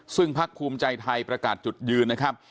ซึ่งพักภูมิใจไทยประกาศจุดยืนนะครับ